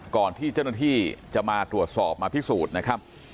ก่อนที่เจ้าหน้าที่จะมาตรวจสอบมาพิสูจน์นะครับ